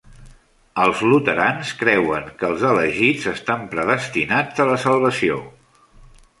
Els luterans creuen que els elegits estan predestinats a la salvació.